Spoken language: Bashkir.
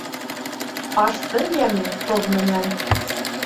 Аштың йәме тоҙ менән